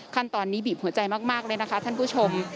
ขั้นตอนนี้บีบหัวใจมากเลยนะคะท่านผู้ชม